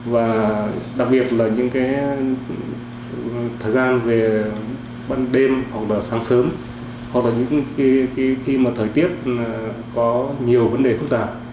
và đặc biệt là những cái thời gian về ban đêm hoặc là sáng sớm hoặc là những khi mà thời tiết có nhiều vấn đề phức tạp